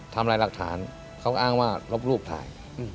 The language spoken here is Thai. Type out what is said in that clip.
ทำลายหลักฐานเขาอ้างว่าลบรูปถ่าย